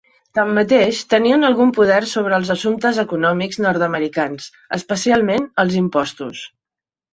Tanmateix, tenien algun poder sobre els assumptes econòmics nord-americans, especialment els impostos.